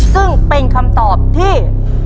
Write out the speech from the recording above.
ซึ่งเป็นคำตอบที่